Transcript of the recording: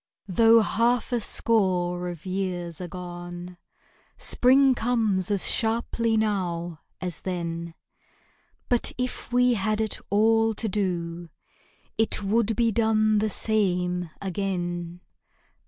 Though half a score of years are gone, Spring comes as sharply now as then But if we had it all to do It would be done the same again.